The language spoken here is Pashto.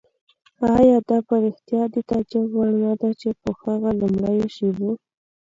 آیا دا په رښتیا د تعجب وړ نه ده چې په هغو لومړیو شېبو.